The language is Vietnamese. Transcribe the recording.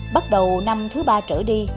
bắt đầu năm thứ ba trở đi